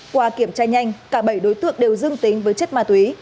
qua kiểm tra nhanh cả bảy đối tượng đều dương tính với chất ma túy